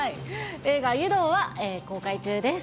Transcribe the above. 映画、湯道は公開中です。